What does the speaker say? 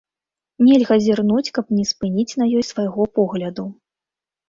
Нельга зірнуць, каб не спыніць на ёй свайго погляду.